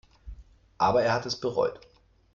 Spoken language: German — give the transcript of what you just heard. Aber er hat es bereut.